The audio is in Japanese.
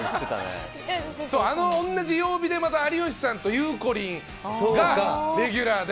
そう、あの同じ曜日でまた有吉さんとゆうこりんがレギュラーで。